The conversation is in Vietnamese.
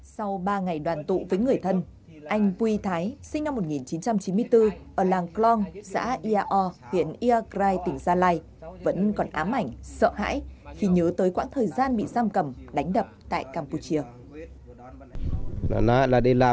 sau ba ngày đoàn tụ với người thân anh quy thái sinh năm một nghìn chín trăm chín mươi bốn ở làng clong xã iao huyện iagrai tỉnh gia lai vẫn còn ám ảnh sợ hãi khi nhớ tới quãng thời gian bị giam cầm đánh đập tại campuchia